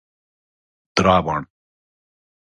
درابڼ